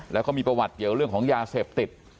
แล้วก็มีประวัติเกี่ยวเรื่องของยาเสพติด